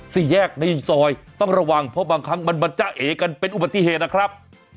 สี่แยกในซอยต้องระวังเพราะบางครั้งมันมาจ้าเอกันเป็นอุบัติเหตุนะครับ